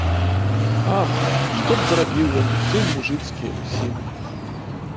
Ах, што б зрабіў ён, сын мужыцкі, усім!